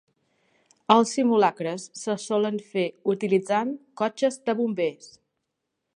Els simulacres se solen fer utilitzant cotxes de bombers.